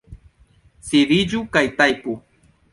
Sidiĝu kaj tajpu!